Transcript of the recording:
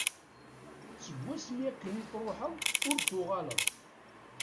Seg wasmi akken i truḥeḍ ur d-tuɣaleḍ.